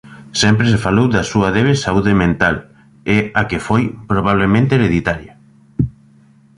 Sempre se falou da súa débil saúde mental e a que foi probabelmente hereditaria.